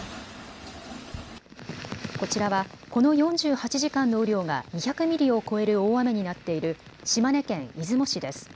こちらはこの４８時間の雨量が２００ミリを超える大雨になっている島根県出雲市です。